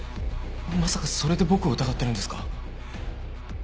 まさかそれで僕を疑ってるんですか？